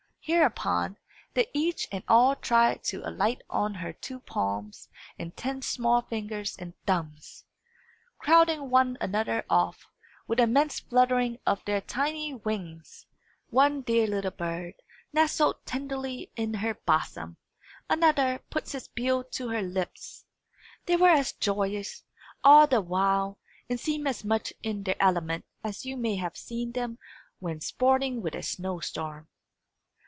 Hereupon, they each and all tried to alight on her two palms and ten small fingers and thumbs, crowding one another off, with an immense fluttering of their tiny wings. One dear little bird nestled tenderly in her bosom; another put its bill to her lips. They were as joyous, all the while, and seemed as much in their element, as you may have seen them when sporting with a snow storm.